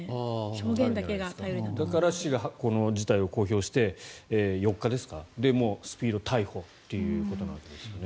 だから市がこの事態を公表して４日ですか、スピード逮捕ということなわけですよね。